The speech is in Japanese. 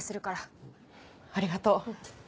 ありがとう。